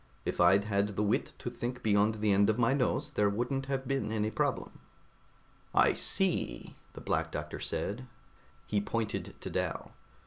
If I'd had the wit to think beyond the end of my nose, there wouldn't have been any problem." "I see," the Black Doctor said. He pointed to Dal.